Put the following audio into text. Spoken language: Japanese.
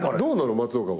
松岡は。